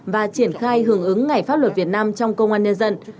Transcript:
và triển khai hưởng ứng ngày pháp luật việt nam trong công an nhân dân